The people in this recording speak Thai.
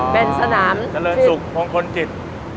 เป็นสนามเจริญสุขมงคลจิต